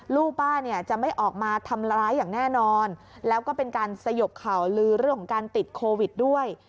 ลูกป้าเนี่ยจะไม่ออกมาทำร้ายอย่างแน่นอนแล้วก็เป็นการสยบข่าวลือเรื่องของการติดโควิดด้วย